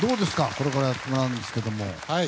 これからやってもらうんですけど。